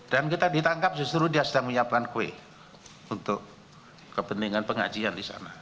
dan kita ditangkap justru dia sedang menyiapkan kue untuk kebeningan pengajian di sana